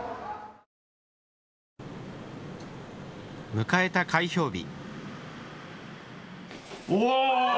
迎えた開票日。